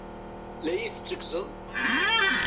La yi-tetteggzeḍ?